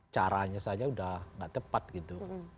caranya saja udah gak tepat gitu